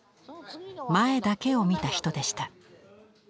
前だけを見た人でした。